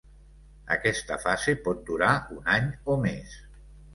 Aquesta fase pot durar un any o més.